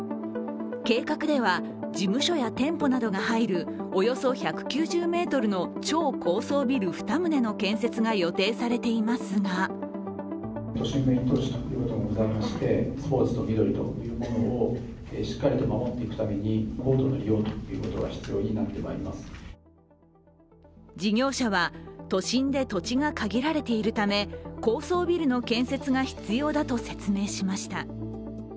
計画では事務所や店舗などが入るおよそ１９０ｍの超高層ビル２棟の建設が予定されていますが、事業者は都心で土地が限られているため、高層ビルの建設が必要だと説明しました。